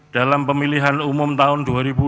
dalam pemilihan umum tahun dua ribu dua puluh